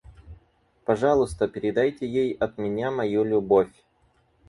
Пожалуйста, передайте ей от меня мою любовь.